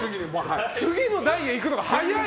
次の代にいくのが早い。